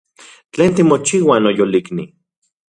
¿Tlen timochiua, noyolikni?